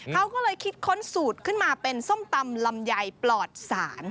เขาก็เลยคิดค้นสูตรขึ้นมาเป็นส้มตำลำไยปลอดศาล